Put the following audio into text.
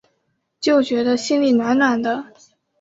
就觉得心里暖暖的